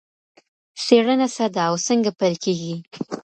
څېړنه څه ده او څنګه پیل کېږي؟